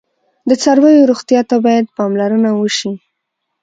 د څارویو روغتیا ته باید پاملرنه وشي.